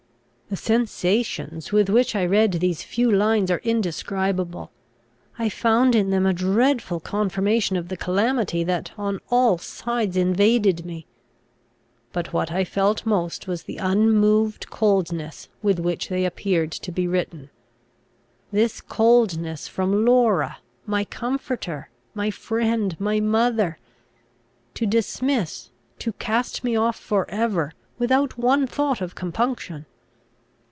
The sensations with which I read these few lines are indescribable. I found in them a dreadful confirmation of the calamity that on all sides invaded me. But what I felt most was the unmoved coldness with which they appeared to be written. This coldness from Laura, my comforter, my friend, my mother! To dismiss, to cast me off for ever, without one thought of compunction!